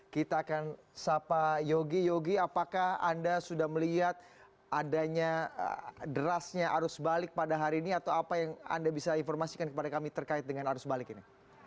kita akan sapa yogi yogi apakah anda sudah melihat adanya derasnya arus balik pada hari ini atau apa yang anda bisa informasikan kepada kami terkait dengan arus balik ini